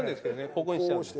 ここにしちゃうんです。